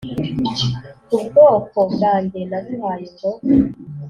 ubwoko bwanjye naguhaye ngo